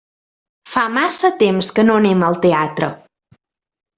Fa massa temps que no anem al teatre.